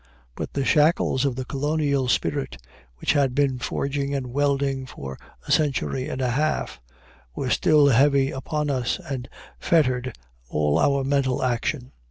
But the shackles of the colonial spirit, which had been forging and welding for a century and a half, were still heavy upon us, and fettered all our mental action.